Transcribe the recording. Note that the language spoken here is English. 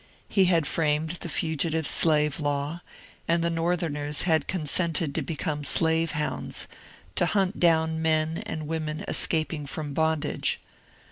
He had framed the Fugitive Slave Law, and the Northerners had consented to become slave hounds, to hunt down men and women escaping from bondage.